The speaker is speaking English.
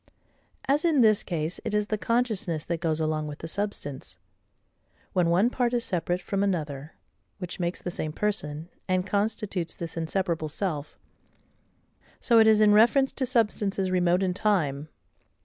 As in this case it is the consciousness that goes along with the substance, when one part is separate from another, which makes the same person, and constitutes this inseparable self: so it is in reference to substances remote in time.